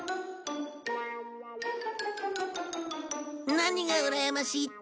何がうらやましいって？